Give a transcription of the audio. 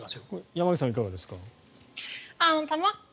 山口さん、いかがですか？